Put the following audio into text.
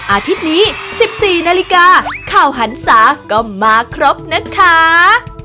อาทิตย์นี้๑๔นาฬิกาข่าวหันศาก็มาครบนะคะ